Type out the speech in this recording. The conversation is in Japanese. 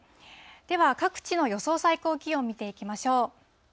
では、各地の予想最高気温見ていきましょう。